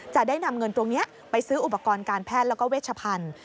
จะได้นำเงินตรงนี้ไปซื้ออุปกรณ์การแพทย์แล้วก็เวชพันธุ์